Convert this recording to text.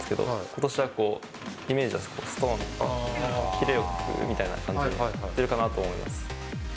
ことしはイメージだと、すとんと、キレよくみたいな感じでいってるかなと思います。